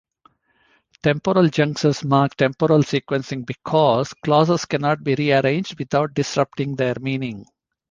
Temporal junctures mark temporal sequencing because clauses cannot be rearranged without disrupting their meaning.